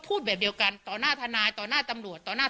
พูดแบบเดียวกันต่อหน้าทนายต่อหน้าตำรวจต่อหน้า